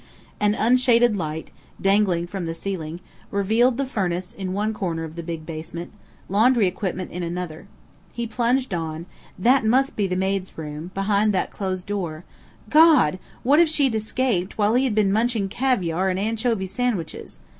An unshaded light, dangling from the ceiling, revealed the furnace in one corner of the big basement, laundry equipment in another. He plunged on.... That must be the maid's room, behind that closed door.... God! What if she had escaped, while he had been munching caviar and anchovy sandwiches?